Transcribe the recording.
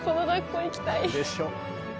でしょ？